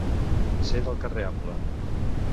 Ser del carrer ample.